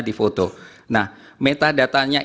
difoto nah metadata nya